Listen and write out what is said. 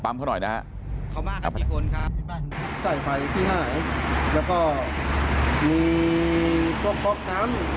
ปั๊มเขาหน่อยนะเขามากับที่คนครับใส่ไฟที่หายแล้วก็มีก๊อกก๊อกน้ำ